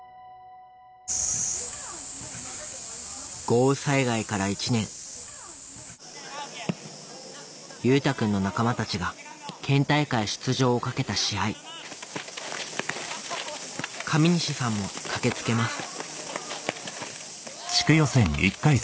豪雨災害から１年優太くんの仲間たちが県大会出場を懸けた試合上西さんも駆け付けます